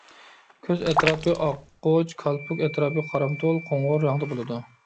كۆز ئەتراپى ئاقۇچ، كالپۇك ئەتراپى قارامتۇل قوڭۇر رەڭدە بولىدۇ.